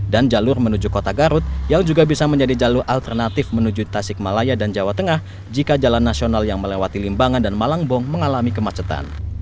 dan jalur menuju kota garut yang juga bisa menjadi jalur alternatif menuju tasik malaya dan jawa tengah jika jalan nasional yang melewati limbangan dan malangbong mengalami kemacetan